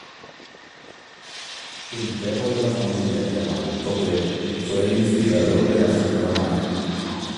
El perro de la familia, llamado Topper, fue el inspirador de la futura marca.